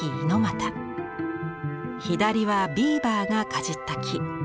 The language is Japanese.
左はビーバーが齧った木。